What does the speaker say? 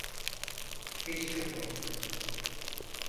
Beni çok korkuttun.